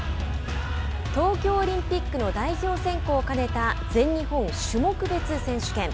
東京オリンピックの代表選考を兼ねた全日本種目別選手権。